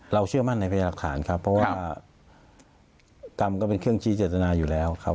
เชื่อมั่นในพยายามหลักฐานครับเพราะว่ากรรมก็เป็นเครื่องชี้เจตนาอยู่แล้วครับ